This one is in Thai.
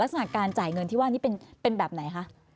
ลักษณะการจ่ายเงินที่ว่านี่เป็นแบบไหนคะ